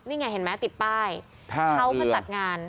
นี่ไงเห็นไหมติดป้ายเขาก็จัดงาน